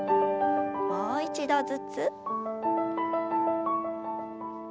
もう一度ずつ。